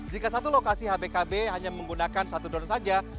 jika satu lokasi hbkb hanya menggunakan satu drone saja